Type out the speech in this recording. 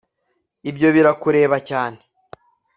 ibyo birakureba cyane